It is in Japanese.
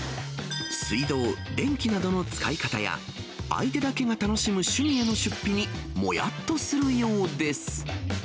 水道、電気などの使い方や、相手だけが楽しむ趣味への出費に、もやっとするようです。